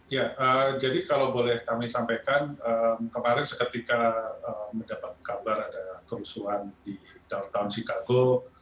ya jadi kalau boleh kami sampaikan kemarin seketika mendapat kabar ada kerusuhan di down chicago